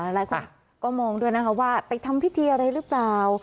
หลายคนก็มองด้วยนะคะว่าไปทำพิธีอะไรหรือเปล่า